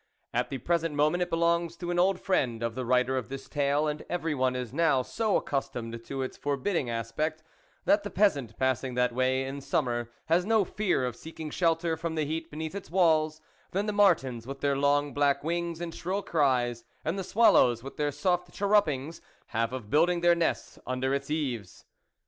At the present moment it belongs to an old friend of the writer of this tale, and everyone is now so accustomed to its for bidding aspect, that the peasant passing that way in summer has no more fear of ieeking shelter from the heat beneath its walls than the martins with their long black wings and shrill cries, and the swal lows with their soft chirrupings, have of building their nests under its eaves.